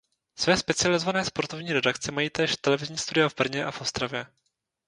Své specializované sportovní redakce mají též televizní studia v Brně a v Ostravě.